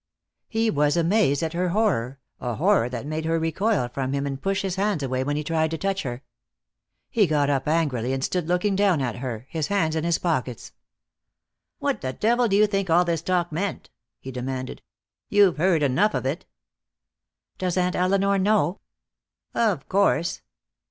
He was amazed at her horror, a horror that made her recoil from him and push his hands away when he tried to touch her. He got up angrily and stood looking down at her, his hands in his pockets. "What the devil did you think all this talk meant?" he demanded. "You've heard enough of it." "Does Aunt Elinor know?" "Of course."